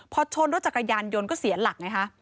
พอชนรถจักรยานยนต์ก็เสียหลักไงฮะ